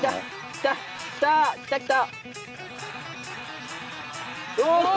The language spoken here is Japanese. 来た！来た来た！来た！